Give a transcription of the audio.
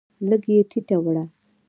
لږ یې ټیټه وړه